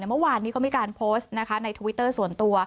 เมื่อวานนี้ก็มีการโพสต์นะคะในทวิตเตอร์ส่วนตัว